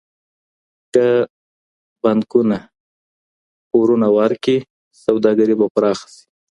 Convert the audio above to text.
که بانکونه پورونه ورکړي سوداګري به پراخه سي.